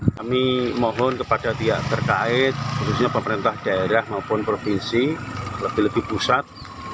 kami mohon kepada pihak terkait khususnya pemerintah daerah maupun provinsi lebih lebih pusat